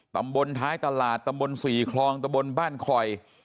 ตำบลท้ายตลาดตำบล๔คลองตะบนบ้านคอย